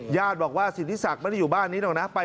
ญาติบอกว่าสิทธิศักดิ์ไม่ได้อยู่บ้านนี้หรอกนะ